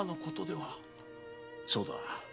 そうだ。